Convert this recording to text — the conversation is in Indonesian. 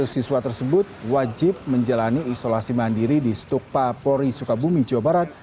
tiga ratus siswa tersebut wajib menjalani isolasi mandiri di stukpa pori sukabumi jawa barat